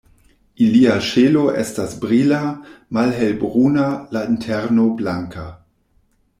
Ilia ŝelo estas brila, malhelbruna, la interno blanka.